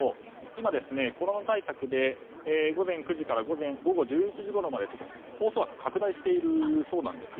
今、コロナ対策で午前９時から午後１１時ごろまで放送枠を拡大しているそうなんです。